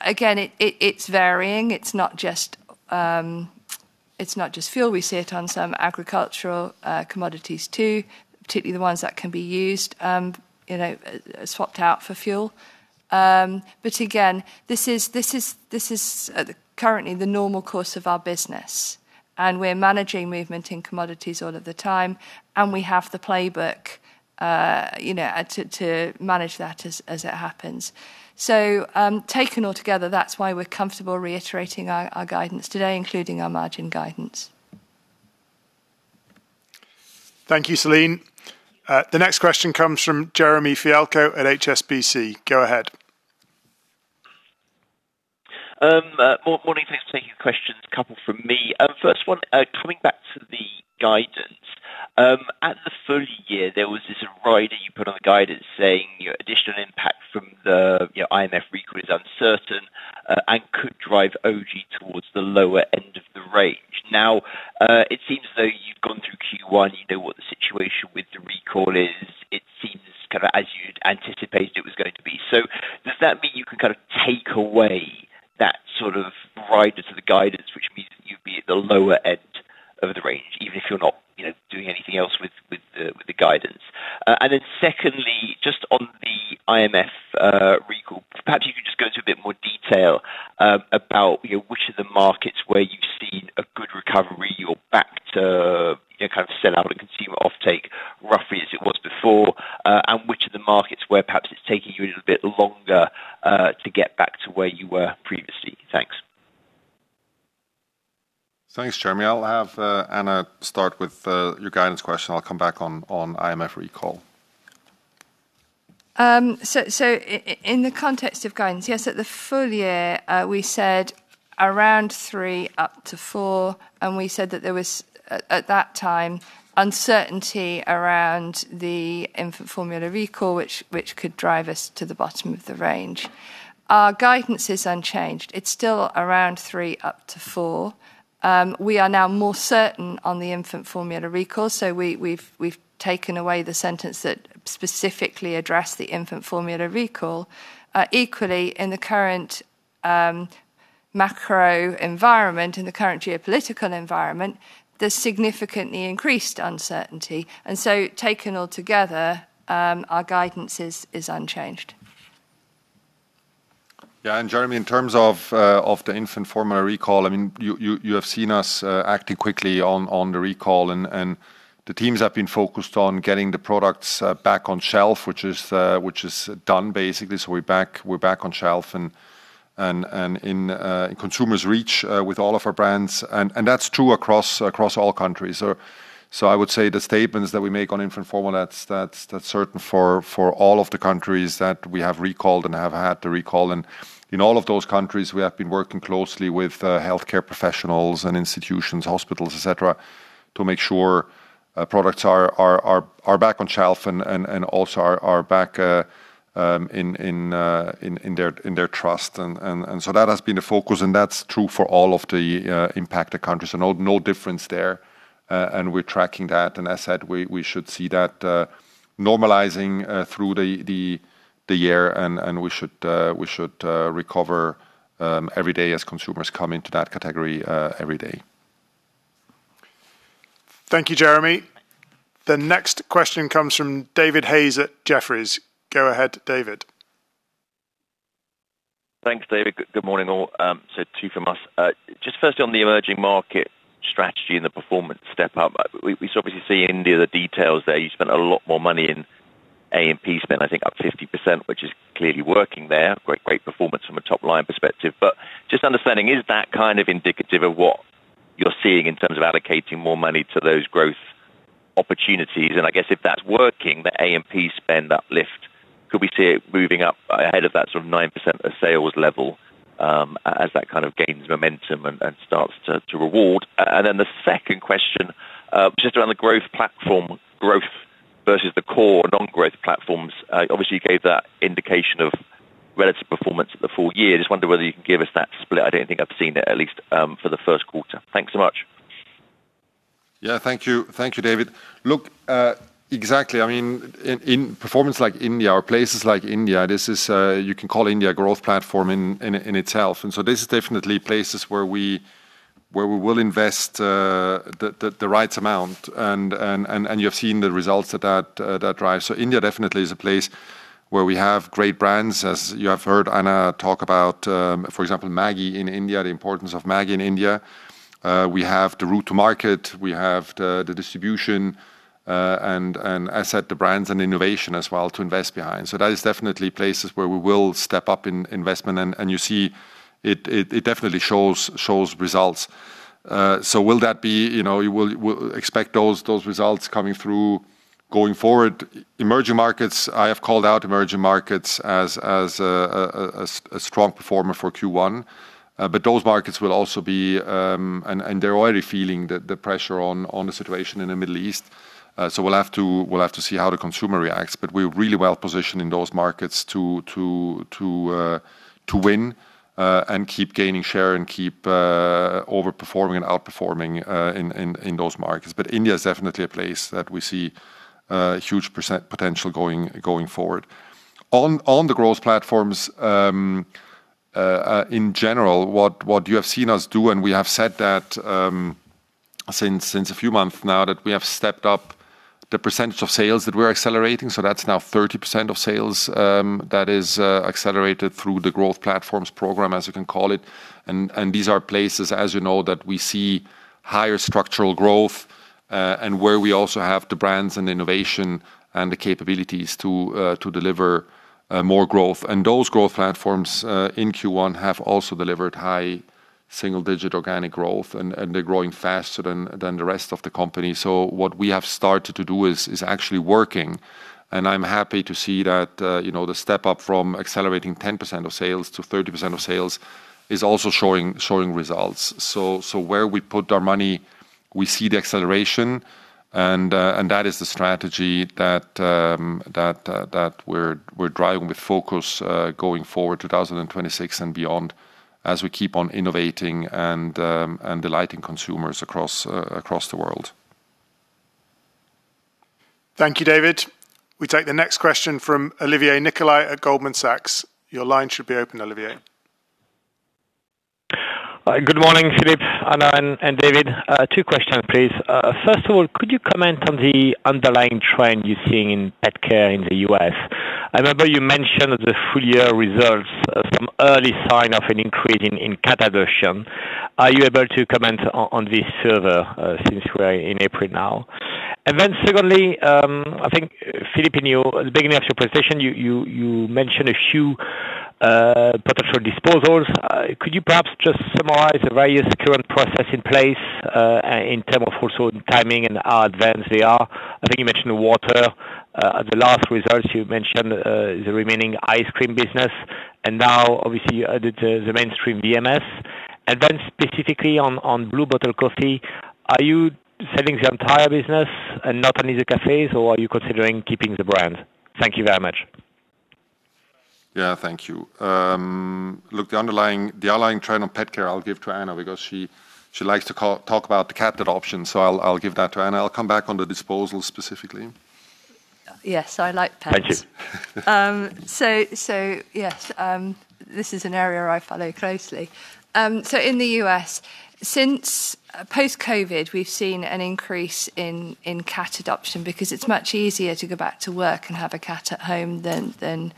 again, it's varying. It's not just fuel. We see it on some agricultural commodities too, particularly the ones that can be swapped out for fuel. Again, this is currently the normal course of our business, and we're managing movement in commodities all of the time, and we have the playbook to manage that as it happens. Taken altogether, that's why we're comfortable reiterating our guidance today, including our margin guidance. Thank you, Celine. The next question comes from Jeremy Fialko at HSBC. Go ahead. Morning. Thanks for taking the questions. A couple from me. First one, coming back to the guidance. At the full year, there was this rider you put on the guidance saying your additional impact from the IMF recall is uncertain, and could drive OG towards the lower end of the range. Now, it seems as though you've gone through Q1, you know what the situation with the recall is. It seems as you'd anticipated it was going to be. Does that mean you can take away that sort of rider to the guidance, which means that you'd be at the lower end of the range, even if you're not doing anything else with the guidance? Secondly, just on the infant formula recall, perhaps you could just go into a bit more detail about which of the markets where you've seen a good recovery, you're back to sell-out and consumer offtake roughly as it was before. Which of the markets where perhaps it's taking you a little bit longer to get back to where you were previously. Thanks. Thanks, Jeremy. I'll have Anna start with your guidance question. I'll come back on IMF recall. In the context of guidance, yes, at the full year, we said around 3%-4%, and we said that there was, at that time, uncertainty around the infant formula recall, which could drive us to the bottom of the range. Our guidance is unchanged. It's still around 3%-4%. We are now more certain on the infant formula recall. We've taken away the sentence that specifically addressed the infant formula recall. Equally, in the current macro environment, in the current geopolitical environment, there's significantly increased uncertainty. Taken all together, our guidance is unchanged. Yeah. Jeremy, in terms of the infant formula recall, you have seen us acting quickly on the recall, and the teams have been focused on getting the products back on shelf, which is done basically. We're back on shelf and in consumers' reach, with all of our brands, and that's true across all countries. I would say the statements that we make on infant formula, that's certain for all of the countries that we have recalled and have had to recall. In all of those countries, we have been working closely with healthcare professionals and institutions, hospitals, et cetera, to make sure products are back on shelf and also are back in their trust. That has been the focus and that's true for all of the impacted countries. No difference there. We're tracking that. As said, we should see that normalizing through the year. We should recover every day as consumers come into that category every day. Thank you, Jeremy. The next question comes from David Hayes at Jefferies. Go ahead, David. Thanks, David. Good morning, all. Two from us. Just firstly on the emerging market strategy and the performance step up. We obviously see in India, the details there. You spent a lot more money in A&P spend, I think up 50%, which is clearly working there. Great performance from a top line perspective, but just understanding, is that kind of indicative of what you're seeing in terms of allocating more money to those growth opportunities? I guess if that's working, the A&P spend uplift, could we see it moving up ahead of that sort of 9% of sales level as that kind of gains momentum and starts to reward? The second question, just around the growth platform growth versus the core non-growth platforms. Obviously, you gave that indication of relative performance at the full year. Just wonder whether you can give us that split. I don't think I've seen it, at least, for the first quarter. Thanks so much. Yeah. Thank you, David. Look, exactly, in performance like India or places like India, you can call India a growth platform in itself. This is definitely places where we will invest the right amount, and you have seen the results that drives. India definitely is a place where we have great brands. As you have heard Anna talk about, for example, Maggi in India, the importance of Maggi in India. We have the route to market, we have the distribution, and as said, the brands and innovation as well to invest behind. That is definitely places where we will step up investment, and you see it definitely shows results. We'll expect those results coming through going forward. Emerging markets, I have called out emerging markets as a strong performer for Q1. Those markets will also be, and they're already feeling the pressure on the situation in the Middle East. We'll have to see how the consumer reacts, but we're really well positioned in those markets to win, and keep gaining share, and keep over-performing and out-performing in those markets. India is definitely a place that we see huge potential going forward. On the growth platforms, in general, what you have seen us do, and we have said that since a few months now, that we have stepped up the percentage of sales that we're accelerating. That's now 30% of sales that is accelerated through the growth platforms program, as you can call it. These are places, as you know, that we see higher structural growth, and where we also have the brands and innovation and the capabilities to deliver more growth. Those growth platforms in Q1 have also delivered high single-digit organic growth. They're growing faster than the rest of the company. What we have started to do is actually working. I'm happy to see that the step up from accelerating 10% of sales to 30% of sales is also showing results. Where we put our money, we see the acceleration. That is the strategy that we're driving with focus going forward 2026 and beyond, as we keep on innovating and delighting consumers across the world. Thank you, David. We take the next question from Jean-Olivier Nicolaï at Goldman Sachs. Your line should be open, Olivier. Good morning, Philipp, Anna, and David. Two questions, please. First of all, could you comment on the underlying trend you're seeing in Petcare in the U.S.? I remember you mentioned the full year results, some early sign of an increase in cat adoption. Are you able to comment on this further since we're in April now? Secondly, I think Philipp, in the beginning of your presentation you mentioned a few potential disposals. Could you perhaps just summarize where is the current process in place, in terms of also timing and how advanced they are? I think you mentioned the water. At the last results you mentioned the remaining ice cream business. Now obviously you added the mainstream VMS. Specifically on Blue Bottle Coffee, are you selling the entire business and not only the cafes, or are you considering keeping the brand? Thank you very much. Yeah. Thank you. Look, the underlying trend on Petcare, I'll give to Anna because she likes to talk about the cat adoptions. I'll come back on the disposals specifically. Yes, I like pets. Thank you. Yes. This is an area I follow closely. In the U.S., since post-COVID, we've seen an increase in cat adoption because it's much easier to go back to work and have a cat at home than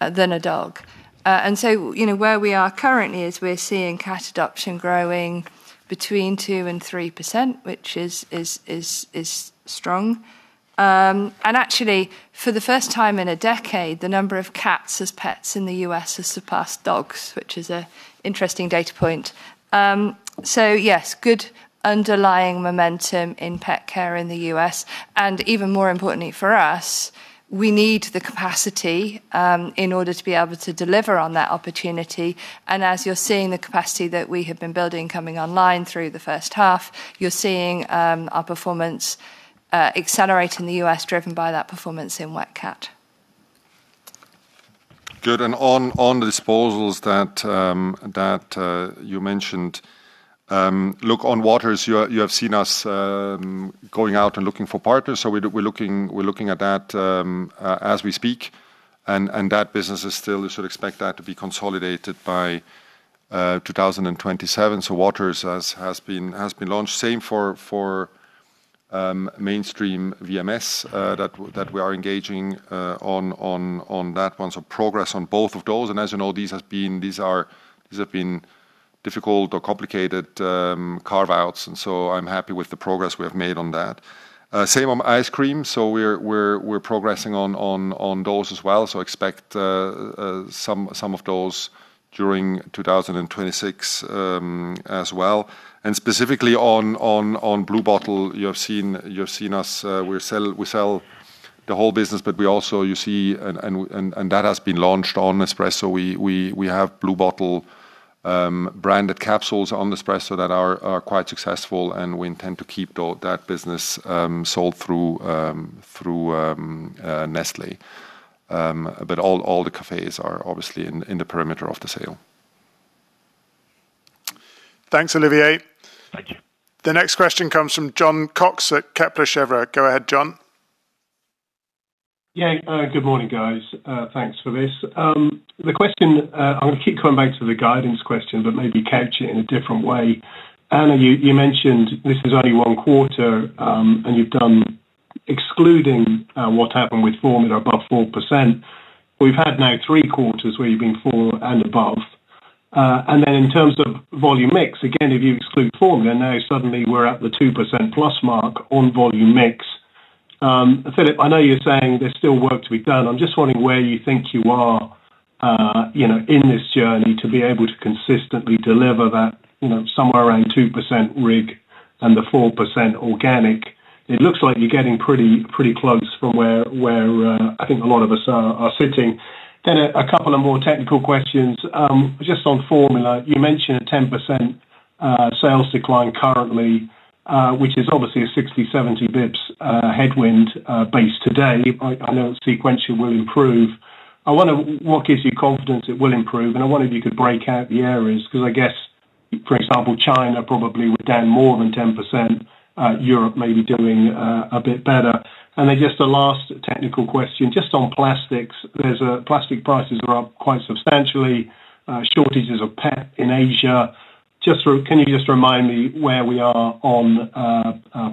a dog. Where we are currently is we're seeing cat adoption growing between 2% and 3%, which is strong. Actually, for the first time in a decade, the number of cats as pets in the U.S. has surpassed dogs, which is an interesting data point. Yes, good underlying momentum in Petcare in the U.S. Even more importantly for us, we need the capacity in order to be able to deliver on that opportunity. As you're seeing the capacity that we have been building coming online through the first half, you're seeing our performance accelerate in the U.S. driven by that performance in wet cat. Good. On disposals that you mentioned. Look, on waters, you have seen us going out and looking for partners. We're looking at that as we speak. That business you should expect that to be consolidated by 2027. Waters has been launched. Same for mainstream VMS, that we are engaging on that one. Progress on both of those. As you know, these have been difficult or complicated carve-outs, and so I'm happy with the progress we have made on that. Same on ice cream, we're progressing on those as well. Expect some of those during 2026 as well. Specifically on Blue Bottle, you have seen us, we sell the whole business, but we also you see and that has been launched on Nespresso. We have Blue Bottle branded capsules on Nespresso that are quite successful, and we intend to keep that business sold through Nestlé. All the cafes are obviously in the perimeter of the sale. Thanks, Olivier. Thank you. The next question comes from Jon Cox at Kepler Cheuvreux. Go ahead, Jon. Good morning, guys. Thanks for this. I'm going to keep coming back to the guidance question, but maybe couch it in a different way. Anna, you mentioned this is only one quarter, and you've been excluding what happened with formula above 4%. We've had now three quarters where you've been 4% and above. In terms of volume mix, again, if you exclude formula, now suddenly we're at the 2%+ mark on volume mix. Philipp, I know you're saying there's still work to be done. I'm just wondering where you think you are in this journey to be able to consistently deliver that somewhere around 2% RIG and the 4% organic. It looks like you're getting pretty close from where I think a lot of us are sitting. A couple of more technical questions. Just on formula, you mentioned a 10% sales decline currently, which is obviously a 60-70 basis points headwind based today. I know it sequentially will improve. I wonder what gives you confidence it will improve, and I wonder if you could break out the areas, because I guess, for example, China probably was down more than 10%, Europe may be doing a bit better. Just a last technical question, just on plastics. Plastic prices are up quite substantially. Shortages of PET in Asia. Can you just remind me where we are on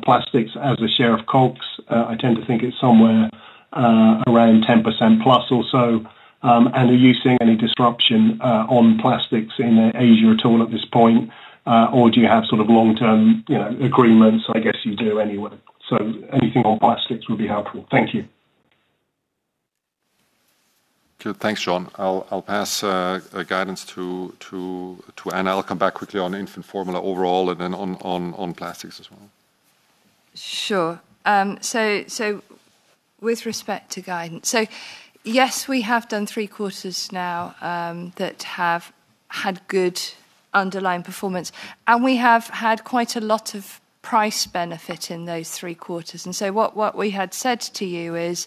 plastics as a share of COGS? I tend to think it's somewhere around 10%+ or so. Are you seeing any disruption on plastics in Asia at all at this point, or do you have long-term agreements? I guess you do anyway. Anything on plastics will be helpful. Thank you. Good. Thanks, Jon. I'll pass guidance to Anna. I'll come back quickly on infant formula overall and then on plastics as well. Sure. With respect to guidance. Yes, we have done three quarters now that have had good underlying performance. We have had quite a lot of price benefit in those three quarters. What we had said to you is,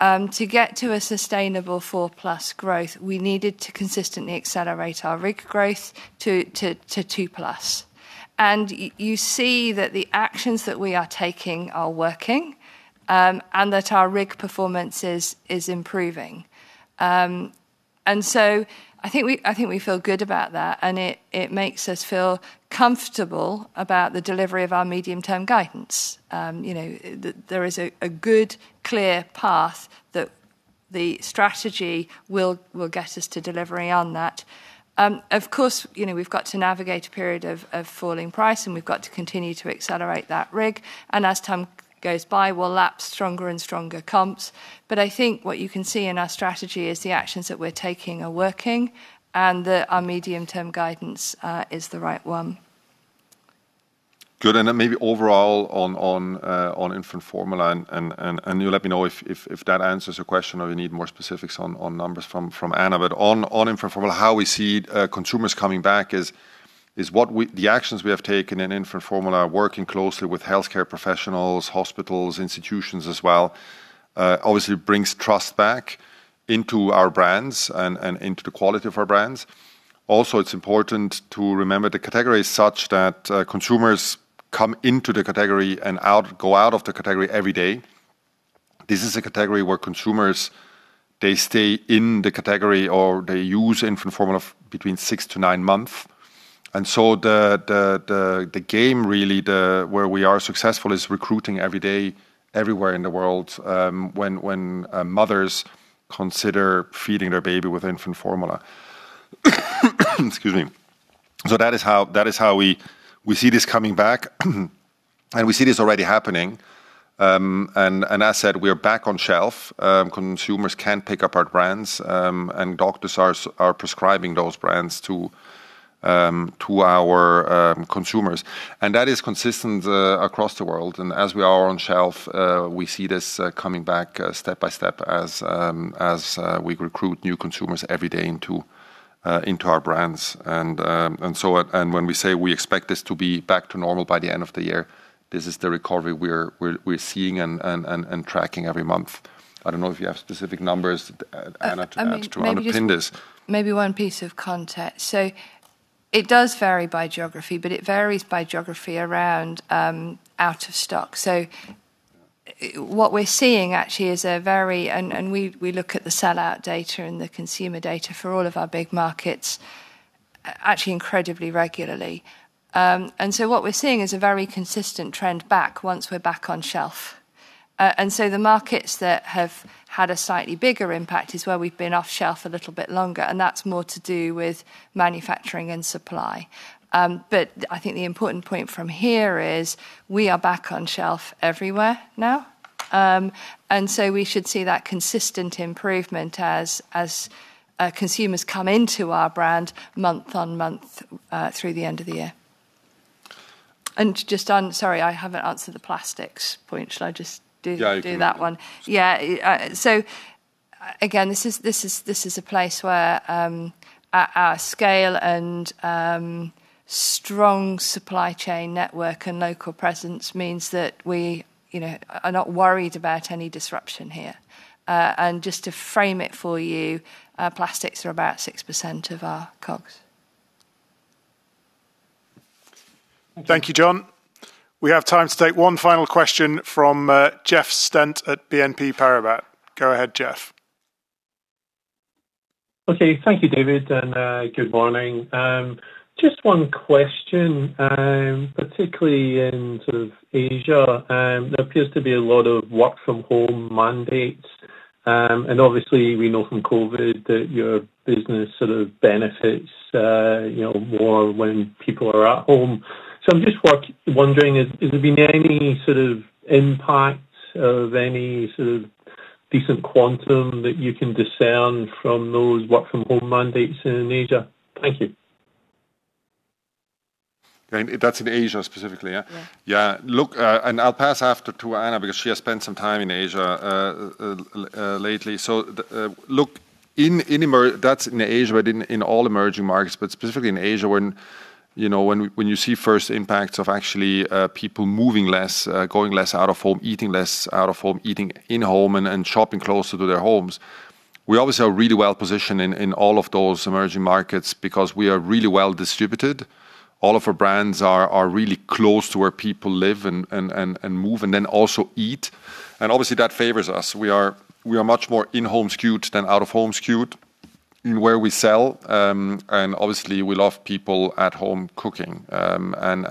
to get to a sustainable 4%+ growth, we needed to consistently accelerate our RIG growth to 2%+. You see that the actions that we are taking are working, and that our RIG performance is improving. I think we feel good about that and it makes us feel comfortable about the delivery of our medium-term guidance. There is a good, clear path that the strategy will get us to delivering on that. Of course, we've got to navigate a period of falling price, and we've got to continue to accelerate that RIG. As time goes by, we'll lap stronger and stronger comps. I think what you can see in our strategy is the actions that we're taking are working, and that our medium-term guidance is the right one. Good. Then maybe overall on infant formula, and you let me know if that answers your question or you need more specifics on numbers from Anna. On infant formula, how we see consumers coming back is the actions we have taken in infant formula, working closely with healthcare professionals, hospitals, institutions as well, obviously brings trust back into our brands and into the quality of our brands. Also, it's important to remember the category is such that consumers come into the category and go out of the category every day. This is a category where consumers, they stay in the category, or they use infant formula between six to nine months. The game really, where we are successful is recruiting every day, everywhere in the world, when mothers consider feeding their baby with infant formula. Excuse me. That is how we see this coming back, and we see this already happening. As said, we are back on shelf. Consumers can pick up our brands, and doctors are prescribing those brands to our consumers. That is consistent across the world. As we are on shelf, we see this coming back step by step as we recruit new consumers every day into our brands. When we say we expect this to be back to normal by the end of the year, this is the recovery we're seeing and tracking every month. I don't know if you have specific numbers, Anna, to add to or underpin this. Maybe one piece of context. It does vary by geography, but it varies by geography around out of stock. What we're seeing actually is, and we look at the sellout data and the consumer data for all of our big markets, actually incredibly regularly. What we're seeing is a very consistent trend back once we're back on shelf. The markets that have had a slightly bigger impact is where we've been off shelf a little bit longer, and that's more to do with manufacturing and supply. I think the important point from here is we are back on shelf everywhere now. We should see that consistent improvement as consumers come into our brand month on month through the end of the year. Just on, sorry, I haven't answered the plastics point. Should I just do that one? Yeah. Yeah. Again, this is a place where our scale and strong supply chain network and local presence means that we are not worried about any disruption here. Just to frame it for you, plastics are about 6% of our COGS. Thank you, Jon. We have time to take one final question from Jeff Stent at BNP Paribas. Go ahead, Jeff. Okay. Thank you, David, and good morning. Just one question, particularly in Asia. There appears to be a lot of work from home mandates. Obviously we know from COVID that your business sort of benefits more when people are at home. I'm just wondering, has there been any impact of any decent quantum that you can discern from those work from home mandates in Asia? Thank you. That's in Asia specifically, yeah? Yeah. Yeah. Look, I'll pass after to Anna because she has spent some time in Asia lately. Look. That's in Asia, but in all emerging markets, but specifically in Asia, when you see first impact of actually people moving less, going less out of home, eating less out of home, eating in home, and shopping closer to their homes. We obviously are really well-positioned in all of those emerging markets because we are really well-distributed. All of our brands are really close to where people live and move and then also eat, and obviously that favors us. We are much more in home skewed than out of home skewed in where we sell. Obviously we love people at home cooking and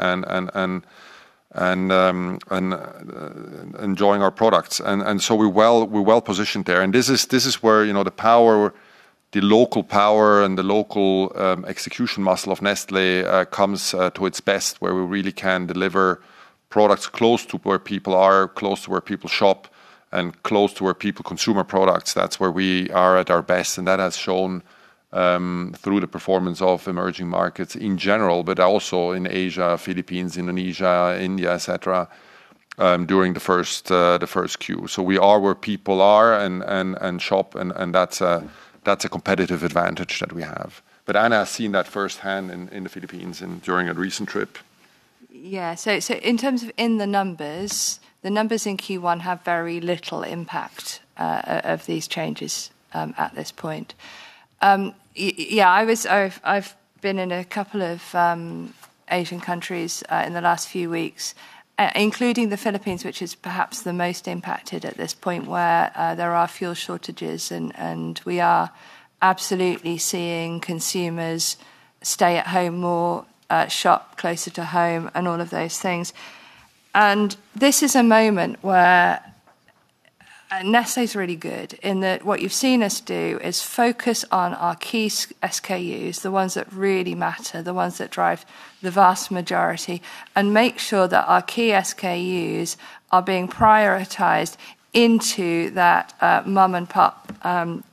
enjoying our products. We're well-positioned there. This is where the local power and the local execution muscle of Nestlé comes to its best, where we really can deliver products close to where people are, close to where people shop, and close to where people consume our products. That's where we are at our best. That has shown through the performance of emerging markets in general, but also in Asia, Philippines, Indonesia, India, et cetera, during the first quarter. We are where people are and shop, and that's a competitive advantage that we have. Anna has seen that firsthand in the Philippines and during a recent trip. In terms of the numbers, the numbers in Q1 have very little impact of these changes at this point. I've been in a couple of Asian countries in the last few weeks, including the Philippines, which is perhaps the most impacted at this point, where there are fuel shortages, and we are absolutely seeing consumers stay at home more, shop closer to home, and all of those things. This is a moment where Nestlé is really good in that what you've seen us do is focus on our key SKUs, the ones that really matter, the ones that drive the vast majority, and make sure that our key SKUs are being prioritized into that mom-and-pop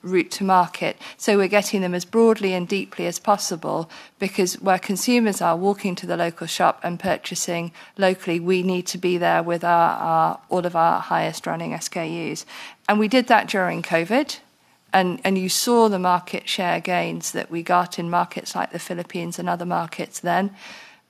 route to market. We're getting them as broadly and deeply as possible, because where consumers are walking to the local shop and purchasing locally, we need to be there with all of our highest running SKUs. We did that during COVID, and you saw the market share gains that we got in markets like the Philippines and other markets then.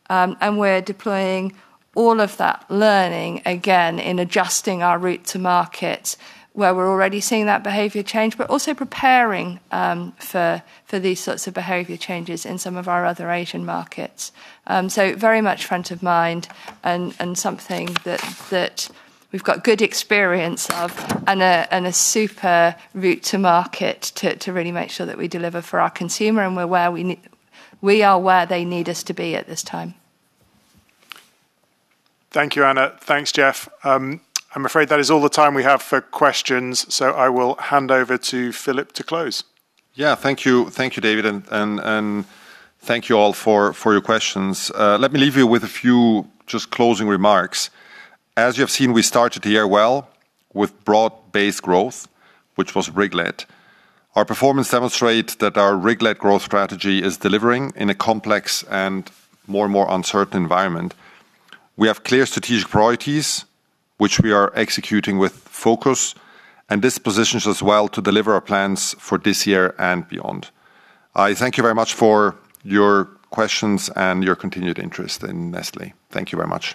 We're deploying all of that learning again in adjusting our route to market, where we're already seeing that behavior change, but also preparing for these sorts of behavior changes in some of our other Asian markets. Very much front of mind and something that we've got good experience of and a super route to market to really make sure that we deliver for our consumer, and we are where they need us to be at this time. Thank you, Anna. Thanks, Jeff. I'm afraid that is all the time we have for questions. I will hand over to Philipp to close. Yeah. Thank you, David, and thank you all for your questions. Let me leave you with a few just closing remarks. As you have seen, we started the year well with broad-based growth, which was RIG-led. Our performance demonstrates that our RIG-led growth strategy is delivering in a complex and more and more uncertain environment. We have clear strategic priorities, which we are executing with focus, and this positions us well to deliver our plans for this year and beyond. I thank you very much for your questions and your continued interest in Nestlé. Thank you very much.